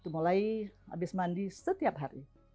bapaknya setelah mandi setiap hari